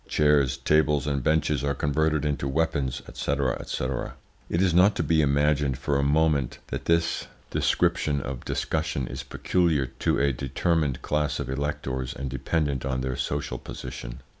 Chairs, tables, and benches are converted into weapons," &c., &c. It is not to be imagined for a moment that this description of discussion is peculiar to a determined class of electors and dependent on their social position.